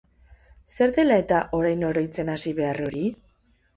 Zer dela-eta orain oroitzen hasi behar hori?